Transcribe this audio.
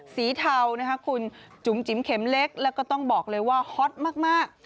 เทานะคะคุณจุ๋มจิ๋มเข็มเล็กแล้วก็ต้องบอกเลยว่าฮอตมาก